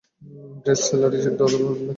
Based celery, সিদ্ধ আলুও আনবেন।